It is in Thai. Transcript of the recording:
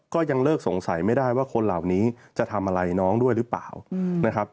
ก็ยังเลิกสงสัยไม่ได้ว่าคนเหล่านี้จะทำอะไรน้องด้วยหรือเปล่านะครับ